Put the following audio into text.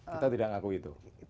kita tidak ngaku itu